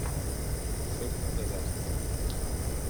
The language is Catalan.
Sóc un desastre.